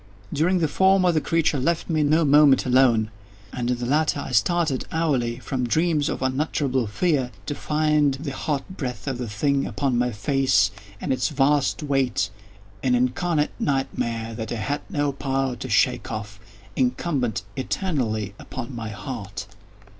During the former the creature left me no moment alone, and in the latter I started hourly from dreams of unutterable fear to find the hot breath of the thing upon my face, and its vast weight—an incarnate nightmare that I had no power to shake off—incumbent eternally upon my _heart!